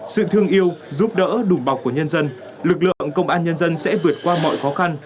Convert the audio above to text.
sự thương yêu giúp đỡ đùm bọc của nhân dân lực lượng công an nhân dân sẽ vượt qua mọi khó khăn